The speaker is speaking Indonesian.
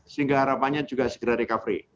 sehingga harapannya juga segera recovery